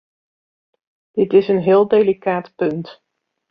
Dit is een heel delicaat punt.